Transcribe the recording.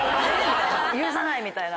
許さない！みたいな。